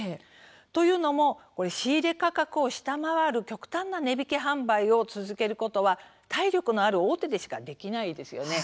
というのも仕入れ価格を下回る極端な値引き販売を続けることは体力のある大手しかできないですよね。